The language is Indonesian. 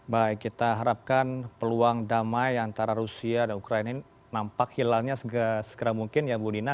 baik kita harapkan peluang damai antara rusia dan ukraina ini nampak hilangnya segera mungkin ya bu dina